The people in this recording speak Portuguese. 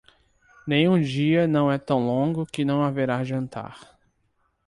Nenhum dia não é tão longo que não haverá jantar.